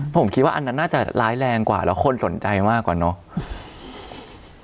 ผมคิดว่าอันนั้นน่าจะร้ายแรงกว่าแล้วคนสนใจมากกว่าเนอะ